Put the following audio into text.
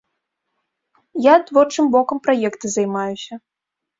Я творчым бокам праекта займаюся.